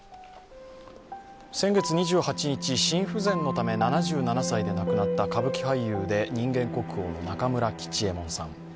先月２８日、心不全のため７７歳で亡くなった歌舞伎俳優で人間国宝の中村吉右衛門さん。